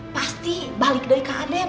pasti balik dari kak aden